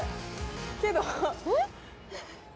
けど。